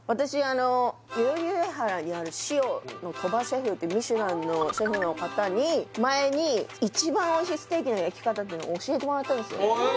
あの代々木上原にある「ｓｉｏ」の鳥羽シェフってミシュランのシェフの方に前に一番おいしいステーキの焼き方っていうのを教えてもらったんですよ・へえ